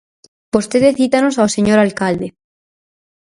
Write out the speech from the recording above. Vostede cítanos ao señor alcalde.